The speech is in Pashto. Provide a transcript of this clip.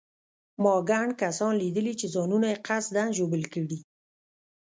ما ګڼ کسان لیدلي چې ځانونه یې قصداً ژوبل کړي.